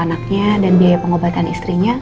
anaknya dan biaya pengobatan istrinya